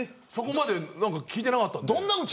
そこまで聞いてなかったんで。